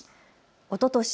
おととし